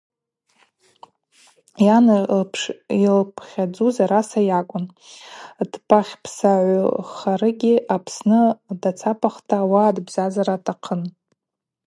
Йан йшылпхьадзуз араса акӏвын: дпахьпсагӏвхарыгьи Апсны дацапахта ауаъа дбзазара атахъын.